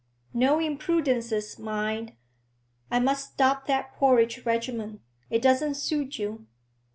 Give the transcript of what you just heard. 'No imprudences, mind. I must stop that porridge regimen; it doesn't suit you.